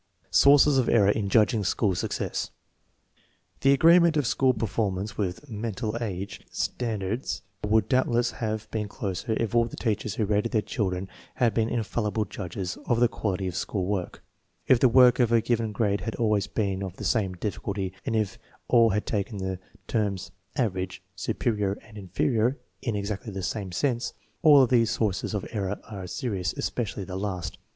Sources of error in judging school success. The agreement of school performance with mental age 96 INTELLIGENCE OF SCHOOL CHILDBEN standards would doubtless have been closer if all the teachers who rated their children had been infallible udges of the quality of school work, if the work of a given grade had always been of the same difficulty, and if they all had taken the terms " average/ 5 " supe rior," and " inferior " in exactly the same sense. All of these sources of error are serious, especially the last.